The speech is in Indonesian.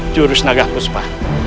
jurus nagah puspa